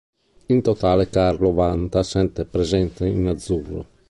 In totale Carlo vanta sette presenze in azzurro.